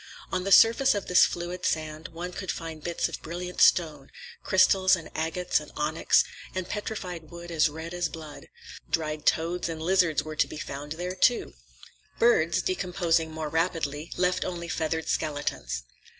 On the surface of this fluid sand, one could find bits of brilliant stone, crystals and agates and onyx, and petrified wood as red as blood. Dried toads and lizards were to be found there, too. Birds, decomposing more rapidly, left only feathered skeletons.